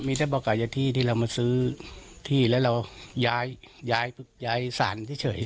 มีแต่บอกเก่าเจ้าที่ที่เรามาซื้อที่แล้วเราย้ายย้ายย้ายสารเฉยเฉย